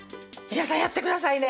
皆さんやってくださいね！